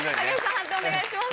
判定お願いします。